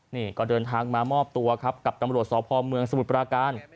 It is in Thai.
นี่ก็เดินทางมามอบตัวครับกับตำรวจสพเมืองสมุทรปราการ